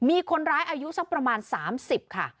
มีคนร้ายอายุสักประมาณ๓๐ค่ะ